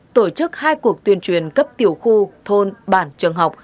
tổ chức hai cuộc tuyên truyền cấp tiểu khu thôn bản trường học